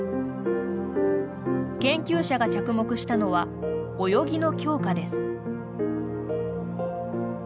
研究者が着目したのは泳ぎの強化です。